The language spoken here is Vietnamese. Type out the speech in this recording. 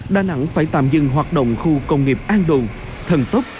đà nẵng phải tạm dừng hoạt động khu công nghiệp an đồn thần tốc